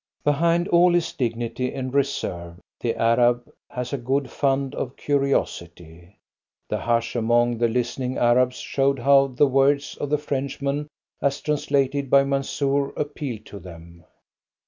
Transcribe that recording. Behind all his dignity and reserve, the Arab has a good fund of curiosity. The hush among the listening Arabs showed how the words of the Frenchman as translated by Mansoor appealed to them.